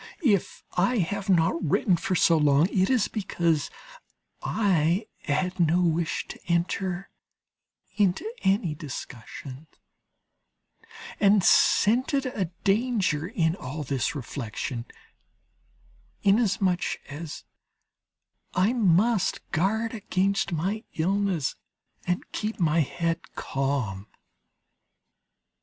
If I have not written for so long, it is because I had no wish to enter into any discussion, and scented a danger in all this reflection, inasmuch as I must guard against my illness and keep my head calm.